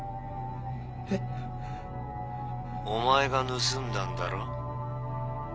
えっ？お前が盗んだんだろ？